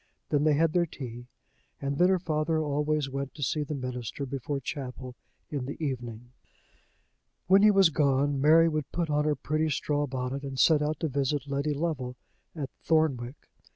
Then they had their tea, and then her father always went to see the minister before chapel in the evening. When he was gone, Mary would put on her pretty straw bonnet, and set out to visit Letty Lovel at Thornwick.